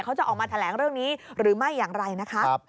เขาจะออกมาแถลงเรื่องนี้หรือไม่อย่างไรนะคะ